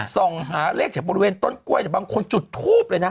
ส่องหาเลขจากบริเวณต้นกล้วยแต่บางคนจุดทูบเลยนะ